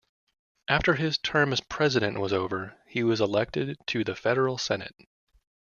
After his term as President was over, he was elected to the federal senate.